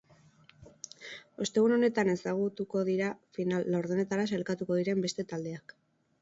Ostegun honetan ezagutuko dira final-laurdenetara sailkatuko diren beste taldeak.